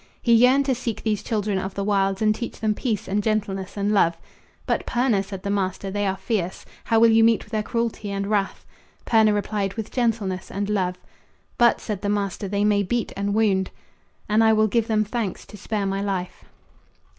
He yearned to seek these children of the wilds, And teach them peace and gentleness and love. "But, Purna," said the master, "they are fierce. How will you meet their cruelty and wrath?" Purna replied, "With gentleness and love." "But," said the master, "they may beat and wound." "And I will give them thanks to spare my life."